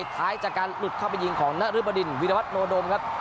ท้ายจากการหลุดเข้าไปยิงของนรึบดินวิรวัตโนดมครับ